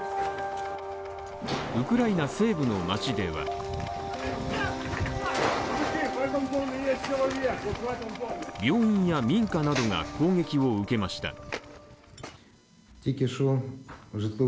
ウクライナ西部の街では病院や民家などが攻撃を受けました。